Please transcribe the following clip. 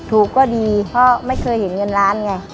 ถูกก็ดีเพราะไม่เคยเห็นเงินล้านไง